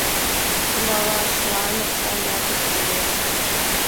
Тӱҥалашлан окса ятыр кӱлеш.